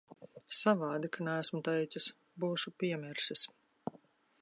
Savādi, ka neesmu teicis. Būšu piemirsis.